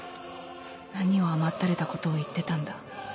何を甘ったれたことを言ってたんだ